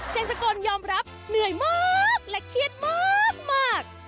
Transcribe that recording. สกลยอมรับเหนื่อยมากและเครียดมาก